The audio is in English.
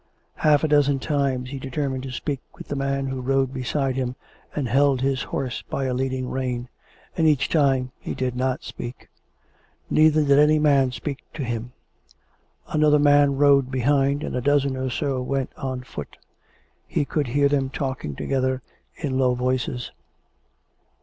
Half a dozen times he determined to speak with the man who rode beside him and held his horse by a leading rein; and each time he did not speak. Neither did any man speak to him. Another man rode behind; and a dozen or so went on foot. He could hear them talking together in low voices.